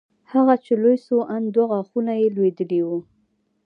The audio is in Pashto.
هغه چې لوى سو ان دوه غاښونه يې لوېدلي وو.